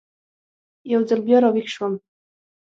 یو ځل بیا را ویښ شوم.